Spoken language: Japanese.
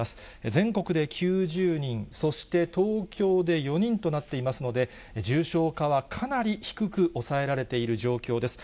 全国で９０人、そして東京で４人となっていますので、重症化はかなり低く抑えられている状況です。